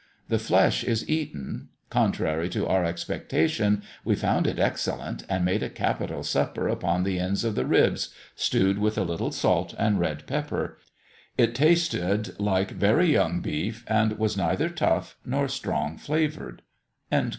The flesh is eaten: contrary to our expectation, we found it excellent, and made a capital supper upon the ends of the ribs, stewed with a little salt and red pepper; it tasted like very young beef, and was neither tough nor strong flavoured."